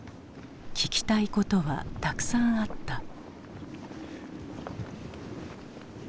聞きたいことはたくさんあった。